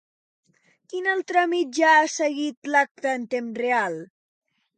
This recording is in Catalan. Quin altre mitjà ha seguit l'acte en temps real?